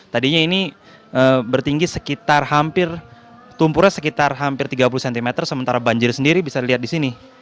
tadinya ini bertinggi sekitar hampir tumpunya sekitar hampir tiga puluh cm sementara banjir sendiri bisa dilihat di sini